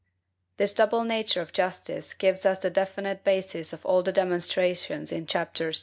This double nature of justice gives us the definitive basis of all the demonstrations in Chapters II.